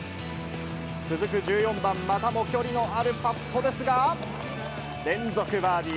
続く１４番、またも距離のあるパットですが、連続バーディー。